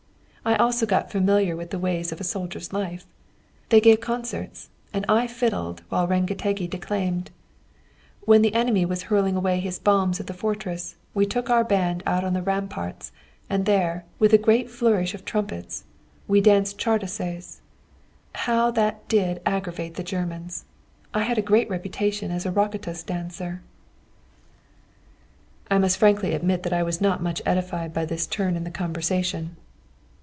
I also got familiar with the ways of a soldier's life. They gave concerts, and I fiddled while Rengetegi declaimed. When the enemy was hurling away his bombs at the fortress, we took our band out on the ramparts, and there, with a great flourish of trumpets, we danced csárdáses. How that did aggravate the Germans! I had a great reputation as a rakétás dancer." [Footnote 77: Rocket dance.] I must frankly admit that I was not much edified by this turn in the conversation.